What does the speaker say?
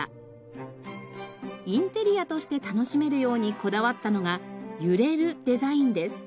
インテリアとして楽しめるようにこだわったのが揺れるデザインです。